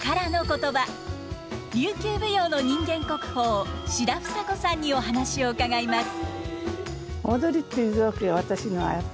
琉球舞踊の人間国宝志田房子さんにお話を伺います。